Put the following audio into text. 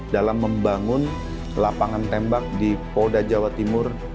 dalam membangun lapangan tembak di polda jawa timur